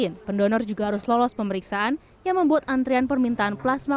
covid sembilan belas pendonor juga harus lolos pemeriksaan yang membuat antrian permintaan plasma